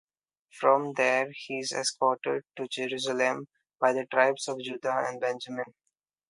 From there he is escorted to Jerusalem by the tribes of Judah and Benjamin.